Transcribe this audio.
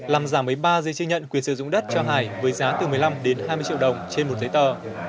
làm giảm mấy ba dây chứng nhận quyền sử dụng đất cho hải với giá từ một mươi năm đến hai mươi triệu đồng trên một giấy tờ